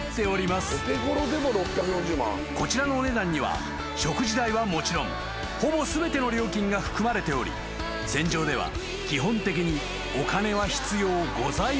［こちらのお値段には食事代はもちろんほぼ全ての料金が含まれており船上では基本的にお金は必要ございません］